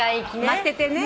待っててね。